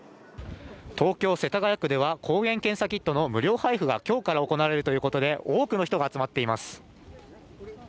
東京・世田谷区では抗原検査キットの無料配布が今日から行われるということで多くの人が集まっています。